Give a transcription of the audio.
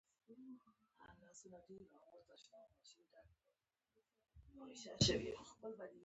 د مرغۍ وزرونه رپېږي.